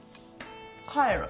帰る。